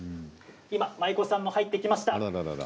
舞妓さんも入ってきました。